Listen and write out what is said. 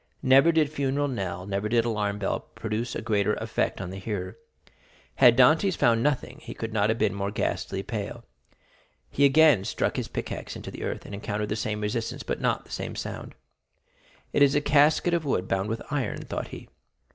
Never did funeral knell, never did alarm bell, produce a greater effect on the hearer. Had Dantès found nothing he could not have become more ghastly pale. He again struck his pickaxe into the earth, and encountered the same resistance, but not the same sound. "It is a casket of wood bound with iron," thought he.